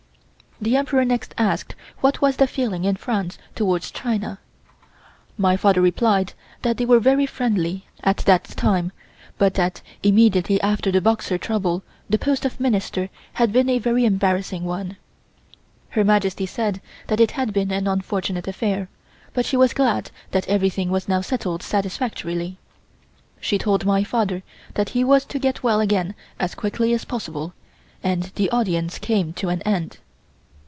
The Emperor next asked what was the feeling in France towards China. My father replied that they were very friendly at that time, but that immediately after the Boxer trouble the post of Minister had been a very embarrassing one. Her Majesty said that it had been an unfortunate affair, but she was glad that everything was now settled satisfactorily. She told my father that he was to get well again as quickly as possible, and the audience came to an end.